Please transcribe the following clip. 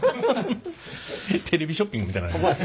テレビショッピングみたいな。